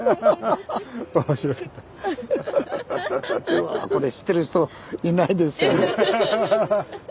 うわぁこれ知ってる人いないですよ。